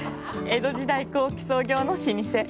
江戸時代後期創業の老舗。